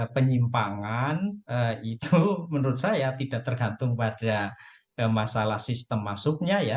penyimpangan itu menurut saya tidak tergantung pada masalah sistem masuknya ya